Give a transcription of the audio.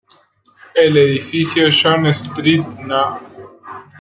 El Edificio John Street No.